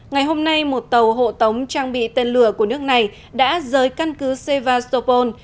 ngày hôm nay một tàu hộ tống trang bị tên lửa của nước này đã rời căn cứ sevastopol